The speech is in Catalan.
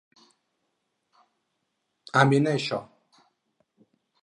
Amen a això.